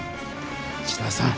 千田さん。